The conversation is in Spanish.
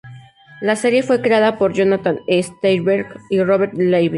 La serie fue creada por Jonathan E. Steinberg y Robert Levine.